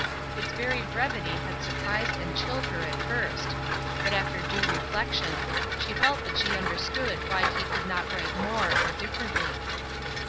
Its very brevity had surprised and chilled her at first; but after due reflection she felt that she under stood why he could not write more or differ ently.